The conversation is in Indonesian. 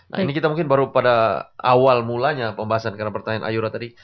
nah ini kita mungkin baru pada awal mulanya pembahasan karena pertanyaan ayura tadi